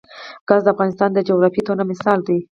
ګاز د افغانستان د جغرافیوي تنوع مثال دی.